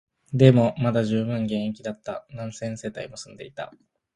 でも、まだ充分現役だった、何千世帯も住んでいた